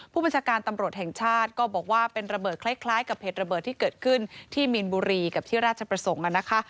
ผู้บัญชาการตำรวจแห่งชาติก็บอกว่าเป็นระเบิดคล้ายกับเหตุระเบิดที่เกิดขึ้นที่มีนบุรีกับที่ราชประสงค์นะคะ